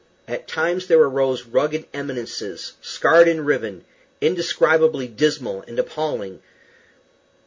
At times there arose rugged eminences, scarred and riven, indescribably dismal and appalling.